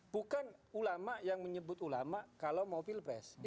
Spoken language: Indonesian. bukan ulama yang menyebut ulama kalau mau pilpres